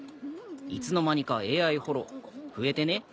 いつの間にかＡＩホロ増えてね？